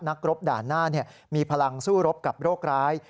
รบด่านหน้ามีพลังสู้รบกับโรคร้าย